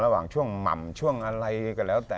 ระหว่างช่วงหม่ำช่วงอะไรก็แล้วแต่